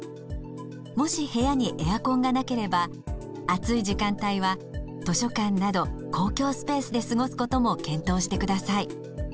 もし部屋にエアコンがなければ暑い時間帯は図書館など公共スペースで過ごすことも検討してください。